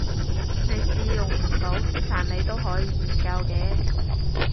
你試用唔到但你都可以研究嘅